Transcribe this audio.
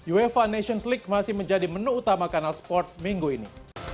uefa nations league masih menjadi menu utama kanal sport minggu ini